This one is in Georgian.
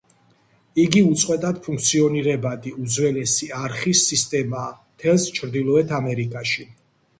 იგი უწყვეტად ფუნქციონირებადი უძველესი არხის სისტემაა მთელს ჩრდილოეთ ამერიკაში.